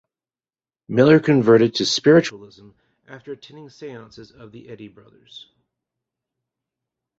Miller converted to spiritualism after attending seances of the Eddy brothers.